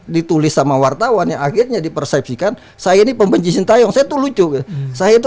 ditulis sama wartawan yang akhirnya dipersepsikan saya ini pembenci sintayong setelah juga saya itu